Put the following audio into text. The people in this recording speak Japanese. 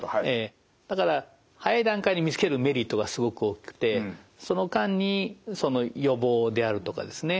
だから早い段階で見つけるメリットがすごく大きくてその間に予防であるとかですね